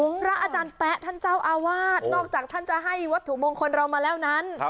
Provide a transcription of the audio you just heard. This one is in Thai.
พระอาจารย์แป๊ะท่านเจ้าอาวาสนอกจากท่านจะให้วัตถุมงคลเรามาแล้วนั้น